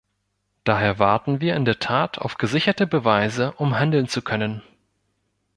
Daher warten wir in der Tat auf gesicherte Beweise, um handeln zu können.